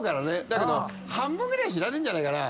だけど半分ぐらい知らねえんじゃないかな